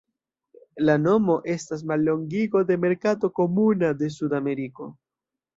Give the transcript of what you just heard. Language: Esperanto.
La nomo estas mallongigo de "Merkato Komuna de Sudameriko".